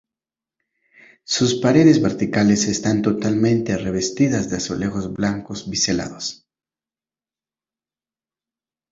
Sus paredes verticales están totalmente revestidas de azulejos blancos biselados.